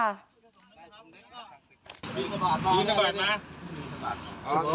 มีสบายมา